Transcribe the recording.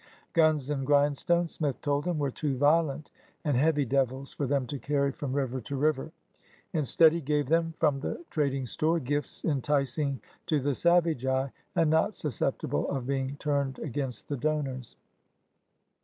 Guns and grindstone. Smith told them, were too violent and heavy devils for them to carry from river to river. Instead he gave them, from the trading store, gifts enticing to the savage eye, and not susceptible of being turned against the donors.